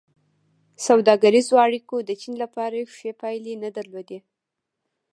سوداګریزو اړیکو د چین لپاره ښې پایلې نه درلودې.